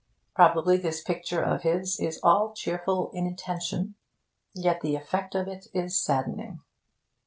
Probably, this picture of his is all cheerful in intention. Yet the effect of it is saddening.